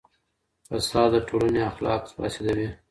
فساد د ټولني اخلاق فاسدوي.